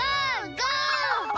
ゴー！